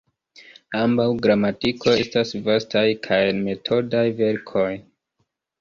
Ambaŭ gramatikoj estas vastaj kaj metodaj verkoj.